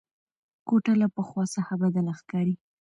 کوټه له پخوا څخه بدله ښکاري.